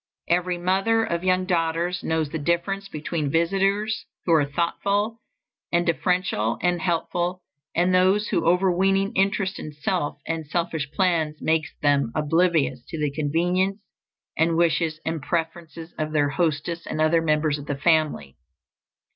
Every mother of young daughters knows the difference between visitors who are thoughtful and deferential and helpful, and those whose overweening interest in self and selfish plans makes them oblivious to the convenience and wishes and preferences of their hostess and other members of the family.